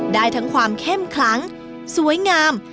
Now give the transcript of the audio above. ได้ทั้งความเข้มขลังสวยงาม